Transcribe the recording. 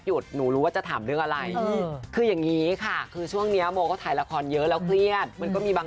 หนูรู้ว่าจะถามเรื่องอะไรคืออย่างนี้ค่ะคือช่วงนี้โมก็ถ่ายละครเยอะแล้วเครียดมันก็มีบาง